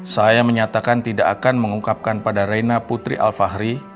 saya menyatakan tidak akan mengungkapkan pada reina putri alfahri